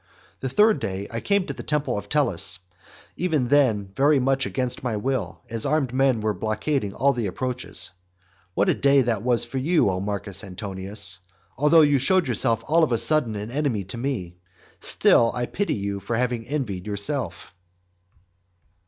The third day I came into the temple of Tellus, even then very much against my will, as armed men were blockading all the approaches. What a day was that for you, O Marcus Antonius! Although you showed yourself all on a sudden an enemy to me; still I pity you for having envied yourself.